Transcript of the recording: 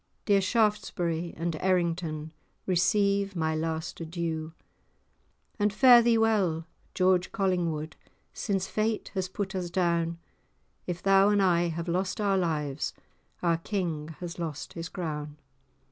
Dear Shaftsbury and Errington, Receive my last adieu. [#] larks. And fare thee well, George Collingwood, Since fate has put us down, If thou and I have lost our lives, Our King has lost his crown.